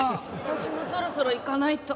私もそろそろ行かないと。